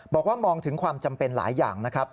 บอกว่ามองถึงความจำเป็นหลายอย่างนะครับ